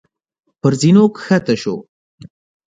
پر زينو کښته شو.